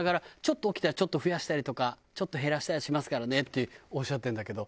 ちょっと起きたらちょっと増やしたりとかちょっと減らしたりしますからねっておっしゃってるんだけど。